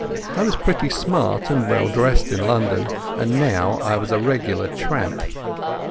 I was pretty smart and well dressed in London, and now I was a regular tramp.